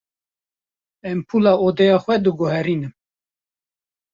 Empûla odeya xwe diguherînim.